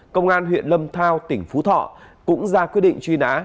công an huyện lâm thao tỉnh phú thọ cũng ra quyết định truy nã